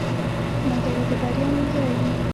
ملګری د بریا ملګری وي.